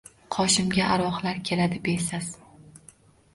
Qoshimga arvohlar keladi besas